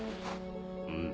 うん。